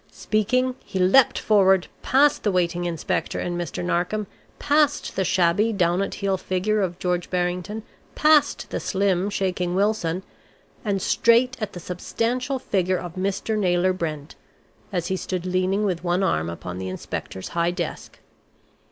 Speaking, he leaped forward, past the waiting inspector and Mr. Narkom, past the shabby, down at heel figure of George Barrington, past the slim, shaking Wilson, and straight at the substantial figure of Mr. Naylor Brent, as he stood leaning with one arm upon the inspector's high desk.